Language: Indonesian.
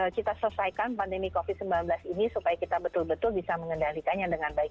kita selesaikan pandemi covid sembilan belas ini supaya kita betul betul bisa mengendalikannya dengan baik